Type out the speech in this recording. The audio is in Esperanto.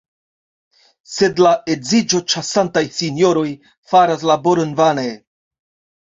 Sed la edziĝoĉasantaj sinjoroj faras laboron vane!